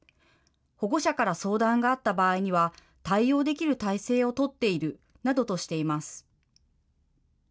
保護者から相談があった場合には、対応できる態勢を取っているなどとしています。